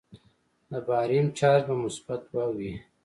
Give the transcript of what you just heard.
د باریم چارج به مثبت دوه وي.